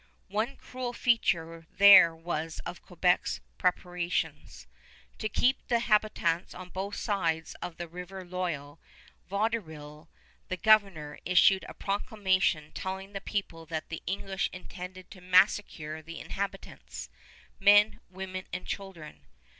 One cruel feature there was of Quebec's preparations. To keep the habitants on both sides the river loyal, Vaudreuil, the governor, issued a proclamation telling the people that the English intended to massacre the inhabitants, men, women, and children.